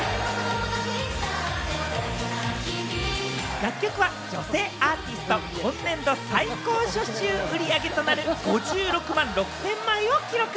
楽曲は女性アーティスト今年度、最高初週売り上げとなる５６万６０００枚を記録。